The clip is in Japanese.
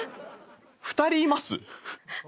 ２人います？